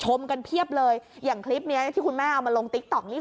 ชมกันเพียบเลยอย่างคลิปเนี้ยที่คุณแม่เอามาลงติ๊กต๊อกนี่